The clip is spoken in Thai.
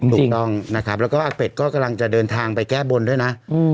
ถูกต้องนะครับแล้วก็อาเป็ดก็กำลังจะเดินทางไปแก้บนด้วยนะ